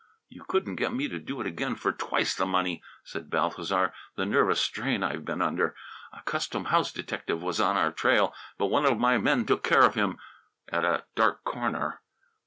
"You couldn't get me to do it again for twice the money," said Balthasar; "the nervous strain I've been under. A custom house detective was on our trail, but one of my men took care of him at a dark corner."